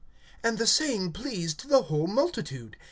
(5)And the saying pleased the whole multitude.